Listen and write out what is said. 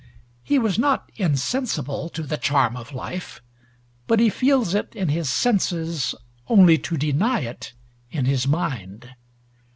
He was not insensible to the charm of life, but he feels it in his senses only to deny it in his mind.